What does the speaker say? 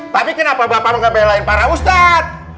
tapi kenapa bapak nggak belain para ustadz